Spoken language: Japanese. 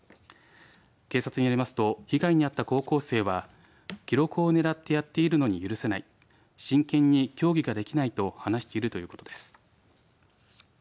警察によりますと被害に遭った高校生は記録を狙ってやっているのに許せない真剣に競技ができないと話しているということです。